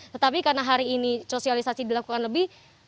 tetapi karena hari ini sosialisasi dilakukan lebih